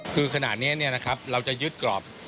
คือขณะนี้เราจะยึดกรอบ